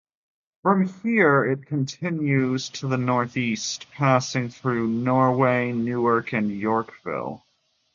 From here it continues to the northeast, passing through Norway, Newark, and Yorkville.